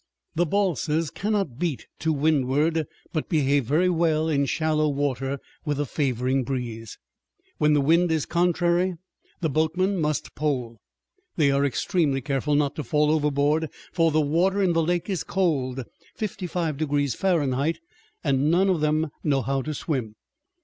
The balsas cannot beat to windward, but behave very well in shallow water with a favoring breeze. When the wind is contrary the boatmen must pole. They are extremely careful not to fall overboard, for the water in the lake is cold, 55° F., and none of them know how to swim.